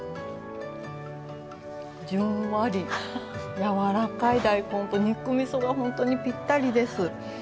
じんわりやわらかい大根と肉みそが本当にぴったりです。